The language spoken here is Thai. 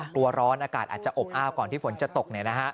กลัวร้อนอากาศอาจจะอบอ้าวก่อนที่ฝนจะตก